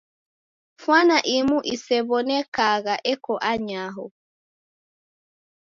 Fwana imu isew'onekagha eko anyaho.